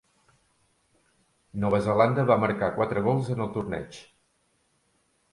Nova Zelanda va marcar quatre gols en el torneig.